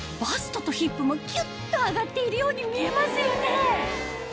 バストとヒップもキュっと上がっているように見えますよね